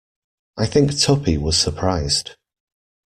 I think Tuppy was surprised.